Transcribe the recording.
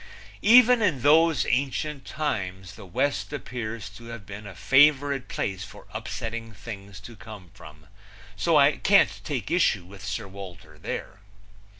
Even in those ancient times the West appears to have been a favorite place for upsetting things to come from; so I can't take issue with Sir Walter there.